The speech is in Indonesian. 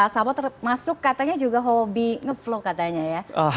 sampo termasuk katanya juga hobi nge vlog katanya ya